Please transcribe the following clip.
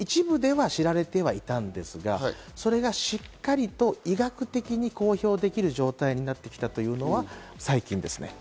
一部では知られてはいたんですが、それがしっかりと医学的に公表できる状態になってきたというのは最近ですね。